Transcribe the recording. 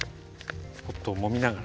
ポットをもみながらね。